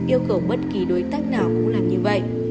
yêu cầu bất kỳ đối tác nào cũng làm như vậy